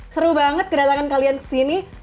seru banget kedatangan kalian kesini